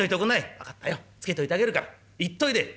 「分かったつけといてあげるから行っといで！」。